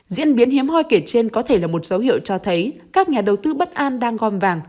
diễn biến hiếm hoi kể trên có thể là một dấu hiệu cho thấy các nhà đầu tư bất an đang gom vàng